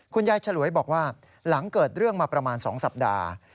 ฉลวยบอกว่าหลังเกิดเรื่องมาประมาณ๒สัปดาห์